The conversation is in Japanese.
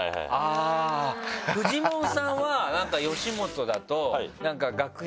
フジモンさんは吉本だと。